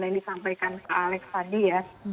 yang disampaikan pak alex tadi ya